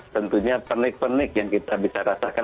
tentunya penik pernik yang kita bisa rasakan